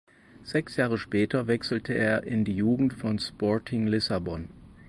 Sechs Jahre später wechselte er in die Jugend von Sporting Lissabon.